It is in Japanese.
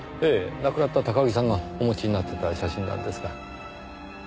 亡くなった高木さんがお持ちになってた写真なんですが。